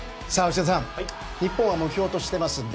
内田さん、日本は目標としています